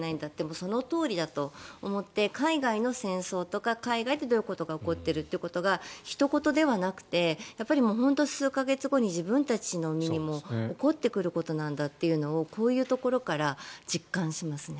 そのとおりだと思って海外の戦争とか海外でどういうことが起こっているということがひと事ではなくて本当に数か月後に自分たちの身にも起こってくることなんだというのをこういうところから実感しますね。